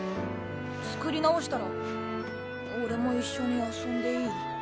作り直したら俺も一緒に遊んでいい？